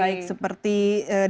baik seperti dpr